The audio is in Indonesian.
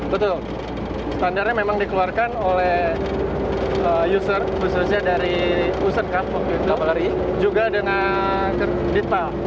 betul standarnya memang dikeluarkan oleh user khususnya dari user card juga dengan digital